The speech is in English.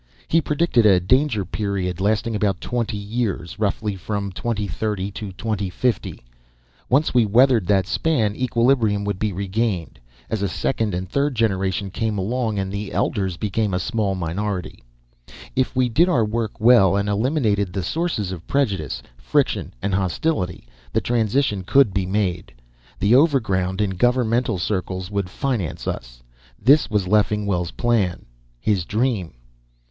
He predicted a danger period lasting about twenty years roughly, from 2030 to 2050. Once we weathered that span, equilibrium would be regained, as a second and third generation came along and the elders became a small minority. If we did our work well and eliminated the sources of prejudice, friction and hostility, the transition could be made. The Overground in governmental circles would finance us. This was Leffingwell's plan, his dream."